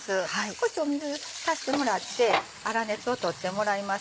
こうして水足してもらって粗熱を取ってもらいます。